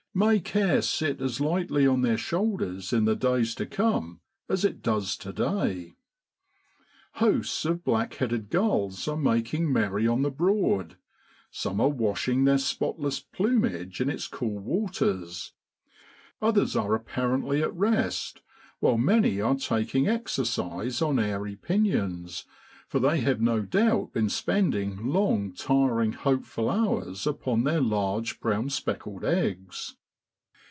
May care sit as lightly on their shoulders in the days to come as it does to day! Hosts of black headed gulls are making merry on the Broad. Some are washing their spotless plumage in its cool waters, others are apparently at rest, whilst many' are taking exercise on airy pinions, for they have no doubt been spending long, tiring, hopeful hours upon their large brown speckled eggs.